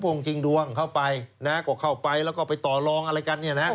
จริงดวงเข้าไปนะก็เข้าไปแล้วก็ไปต่อลองอะไรกันเนี่ยนะ